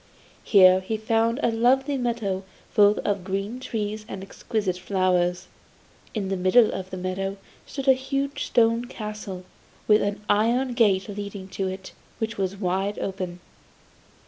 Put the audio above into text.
Here he found a lovely meadow full of green trees and exquisite flowers. In the middle of the meadow stood a huge stone castle, with an iron gate leading to it, which was wide open.